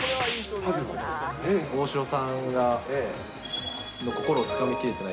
大城さんの心をつかみきれてない。